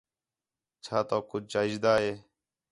چَھا تَؤک کُڄ چاہیجدا ہے؟